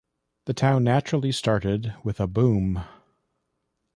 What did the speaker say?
The town naturally started with a boom.